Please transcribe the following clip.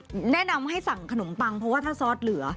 แนะนำให้สั่งขนมปังเพราะว่าถ้าซอสเหลือ